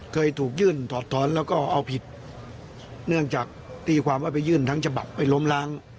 เคยถูกยื่นถอดถอนแล้วก็เอาผิดเนื่องจากตีความว่าไปยื่นทั้งฉบับไปล้มล้าง